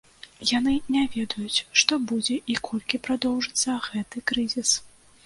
Яны не ведаюць, што будзе і колькі прадоўжыцца гэты крызіс.